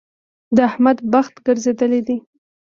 د احمد بخت ګرځېدل دی.